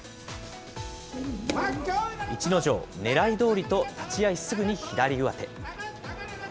逸ノ城、ねらいどおりと、立ち合いすぐに左上手。